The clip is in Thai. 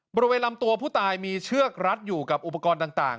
บริเวณลำตัวผู้ตายมีเชือกรัดอยู่กับอุปกรณ์ต่าง